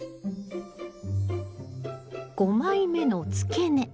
５枚目のつけ根